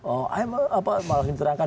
oh saya malah diterangkan